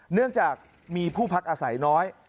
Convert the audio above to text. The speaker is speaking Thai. เนื่องจากมีผู้พักอาศัยน้อย